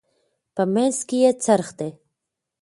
په منځ کې یې څرخ دی.